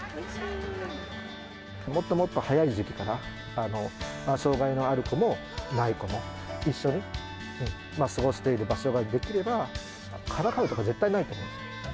もっともっと早い時期から、障がいのある子もない子も、一緒に過ごしている場所ができれば、からかうとか絶対ないと思うんですよ。